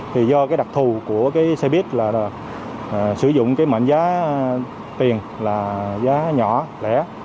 thì do cái đặc thù của cái xe buýt là sử dụng cái mệnh giá tiền là giá nhỏ lẻ